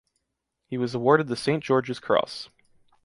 He was awarded the St. George’s Cross.